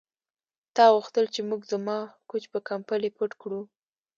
تا غوښتل چې موږ زما کوچ په کمپلې پټ کړو